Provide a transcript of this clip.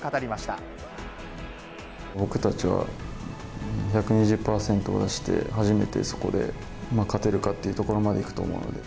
僕たちは、１２０％を出して初めてそこで勝てるかってところまでいくと思うので。